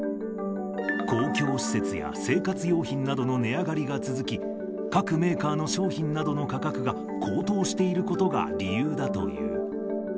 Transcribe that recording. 公共施設や生活用品などの値上がりが続き、各メーカーの商品などの価格が高騰していることが理由だという。